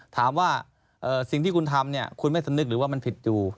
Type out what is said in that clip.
ถามว่าสิ่งที่คุณทำคุณไม่สนึกว่ามันผิดอยู่